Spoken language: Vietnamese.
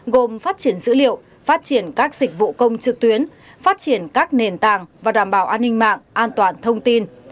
gồm phát triển dữ liệu phát triển các dịch vụ công trực tuyến phát triển các nền tảng và đảm bảo an ninh mạng an toàn thông tin